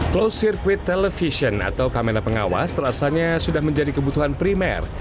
kami tahu kamera pengawas terasanya sudah menjadi kebutuhan primer